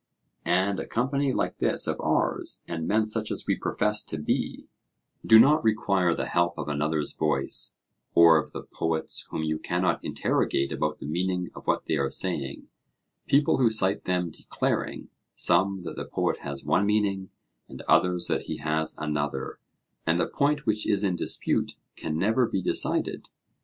And a company like this of ours, and men such as we profess to be, do not require the help of another's voice, or of the poets whom you cannot interrogate about the meaning of what they are saying; people who cite them declaring, some that the poet has one meaning, and others that he has another, and the point which is in dispute can never be decided.